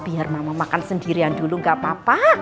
biar mama makan sendirian dulu gak apa apa